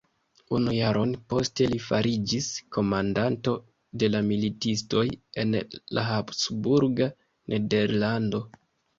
Unu jaron poste, li fariĝis komandanto de la militistoj en la habsburga nederlando.